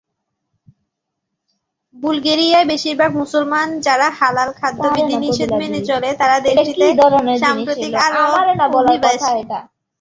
বুলগেরিয়ার বেশিরভাগ মুসলমান যারা হালাল খাদ্য বিধিনিষেধ মেনে চলে তারা দেশটিতে সাম্প্রতিক আরব অভিবাসী।